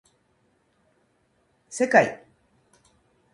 せかい